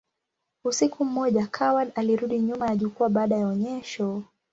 Usiku mmoja, Coward alirudi nyuma ya jukwaa baada ya onyesho.